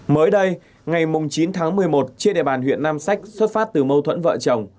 mới đây ngày chín tháng một mươi một trên địa bàn huyện nam sách xuất phát từ mâu thuẫn vợ chồng